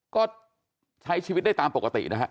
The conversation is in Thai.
ก็ใช้ชีวิตได้ตามปกตินะฮะ